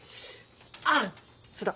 あっそうだ。